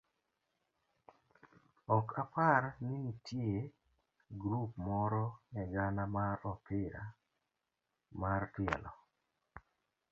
ok apar ni nitie grup moro e gana mar opira mar tielo